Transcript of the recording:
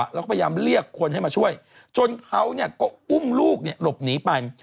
แล้วก็พยายามเรียกคนให้มาช่วยจนเขาก็อุ้มลูกหลบหนีไป